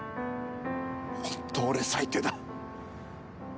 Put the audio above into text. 本当に俺、最低だ。